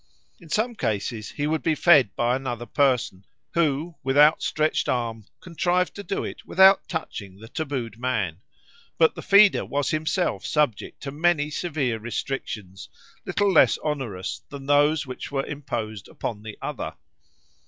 In some cases he would be fed by another person, who with outstretched arm contrived to do it without touching the tabooed man; but the feeder was himself subjected to many severe restrictions, little less onerous than those which were imposed upon the other.